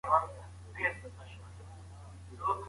په کورنۍ کي د چا سپکاوی نه منل کېږي.